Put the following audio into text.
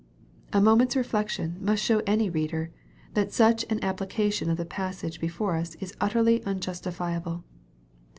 A moment's reflection must show any reader, that such an ap plication of the passage before us is utterly unjustifiable.